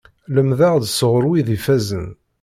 Lemdeɣ-d sɣur wid ifazen.